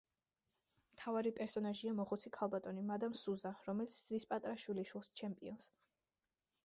მთავარი პერსონაჟია მოხუცი ქალბატონი, მადამ სუზა, რომელიც ზრდის პატარა შვილიშვილს, ჩემპიონს.